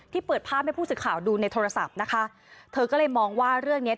เปิดภาพให้ผู้สื่อข่าวดูในโทรศัพท์นะคะเธอก็เลยมองว่าเรื่องเนี้ย